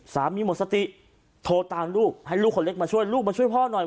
หมดสติโทรตามลูกให้ลูกคนเล็กมาช่วยลูกมาช่วยพ่อหน่อย